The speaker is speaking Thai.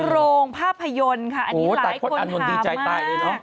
โรงภาพยนตร์ค่ะอันนี้หลายคนถามมาก